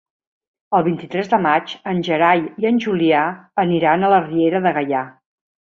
El vint-i-tres de maig en Gerai i en Julià aniran a la Riera de Gaià.